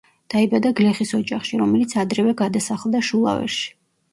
დაიბადა გლეხის ოჯახში, რომელიც ადრევე გადასახლდა შულავერში.